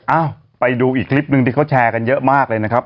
เอ้าไปดูอีกคลิปหนึ่งที่เขาแชร์กันเยอะมากเลยนะครับ